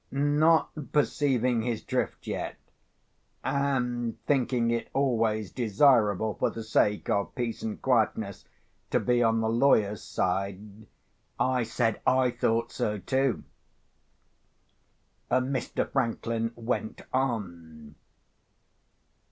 Not perceiving his drift yet, and thinking it always desirable for the sake of peace and quietness to be on the lawyer's side, I said I thought so too. Mr. Franklin went on.